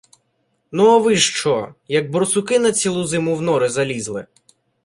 — Ну, а ви ж що? Як борсуки — на цілу зиму в нори залізли?